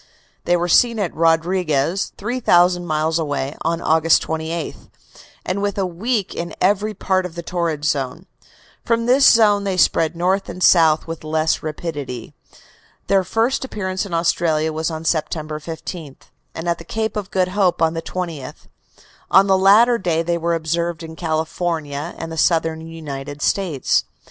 They were seen at Rodriguez, 3,000 miles away, on August 28, and within a week in every part of the torrid zone. From this zone they spread north and south with less rapidity. Their first appearance in Australia was on September 15th, and at the Cape of Good Hope on the 20th. On the latter day they were observed in California and the Southern United States.